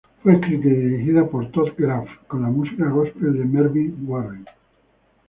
Fue escrita y dirigida por Todd Graff, con la música góspel de Mervyn Warren.